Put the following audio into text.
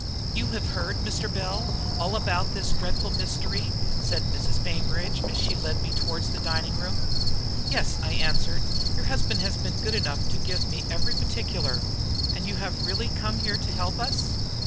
"You have heard, Mr. Bell, all about this dreadful mystery?" said Mrs. Bainbridge as she led me towards the dining room. "Yes," I answered; "your husband has been good enough to give me every particular." "And you have really come here to help us?"